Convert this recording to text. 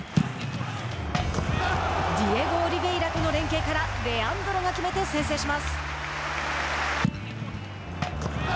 ディエゴ・オリヴェイラの連携からレアンドロが決めて先制します。